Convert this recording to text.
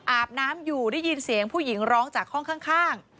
อาบน้ำอยู่ได้ยินเสียงผู้หญิงร้องจากห้องข้าง